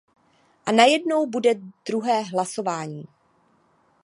A najednou bude druhé hlasování.